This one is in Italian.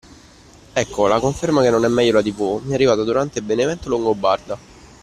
Ecco, la conferma che non è meglio la tv mi è arrivata durante Benevento Longobarda,